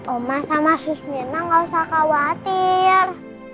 oma sama suster myrna gak usah khawatir